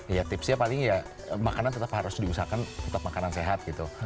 ya tipsnya paling ya makanan tetap harus diusahakan tetap makanan sehat gitu